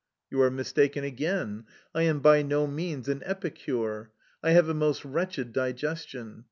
"You are mistaken again: I am by no means an epicure. I have a most wretched digestion.